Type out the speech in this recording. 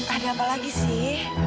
ada apa lagi sih